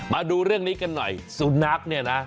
มาดูเรื่องนี้กันหน่อยสุนัขเนี่ยนะ